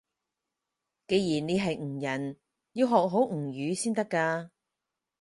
既然你係吳人，要學好吳語先得㗎